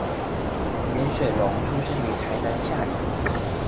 顏水龍出生於台南下營